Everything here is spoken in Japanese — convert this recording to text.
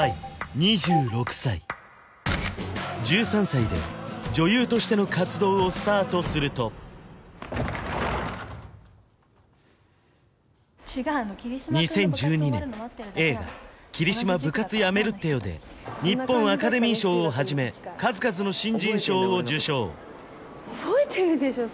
１３歳で女優としての活動をスタートすると２０１２年映画「桐島、部活やめるってよ」で日本アカデミー賞をはじめ数々の新人賞を受賞覚えてるでしょ